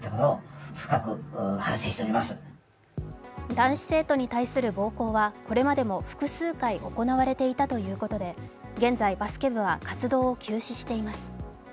男子生徒に対する暴行はこれまでも複数回行われていたということで、現在、バスケ部は活動を休止しています。